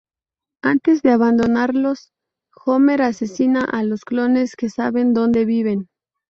Antes de abandonarlos, Homer asesina a los clones que saben dónde viven.